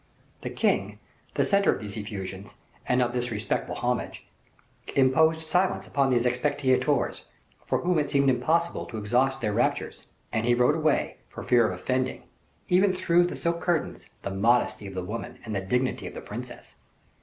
The king, the center of these effusions, and of this respectful homage, imposed silence upon those expatiators, for whom it seemed impossible to exhaust their raptures, and he rode away, for fear of offending, even through the silken curtains, the modesty of the woman and the dignity of the princess.